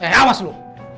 eh awas lu